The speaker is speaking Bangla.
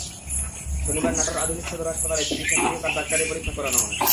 শনিবার নাটোর আধুনিক সদর হাসপাতালে চিকিৎসা শেষে তাঁর ডাক্তারি পরীক্ষা করানো হয়।